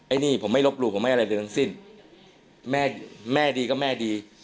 อันนี้ผมไม่ลบหลู่ผมไม่อะไรเลยทั้งสิ้นแม่แม่ดีก็แม่ดี